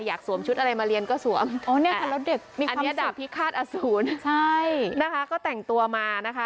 อยากสวมชุดอะไรมาเรียนก็สวมอันนี้ดับพิคาร์ดอสูญนะคะก็แต่งตัวมานะคะ